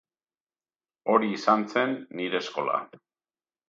Hori izan zen nire eskola.